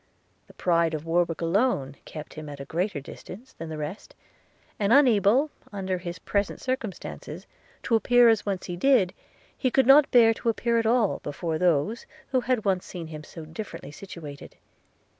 The pride of Warwick alone kept him at a greater distance than the rest; and unable, under his present circumstances, to appear as he once did, he could not bear to appear at all before those, who had once seen him so differently situated.